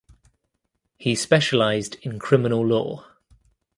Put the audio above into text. He specialized in criminal law.